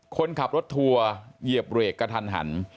คนขับรถทัวร์เหยียบเบรกกระทันหัน